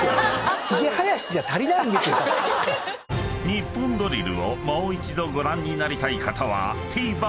［『ニッポンドリル』をもう一度ご覧になりたい方はＴＶｅｒで］